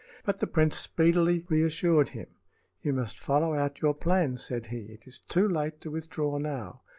But the prince speedily reassured him. "You must follow out your plans," said he. "It is too late to withdraw now.